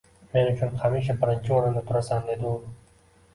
Men uchun hamisha birinchi o'rinda turasan, dedi u